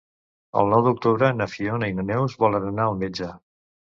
El nou d'octubre na Fiona i na Neus volen anar al metge.